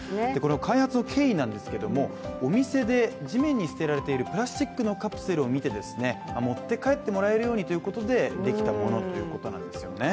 開発の経緯なんですけどもお店で地面に捨てられているプラスチックのカプセルを見て持って帰ってもらえるようにということでできたものということなんですね。